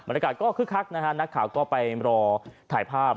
อากาศก็คึกคักนะฮะนักข่าวก็ไปรอถ่ายภาพ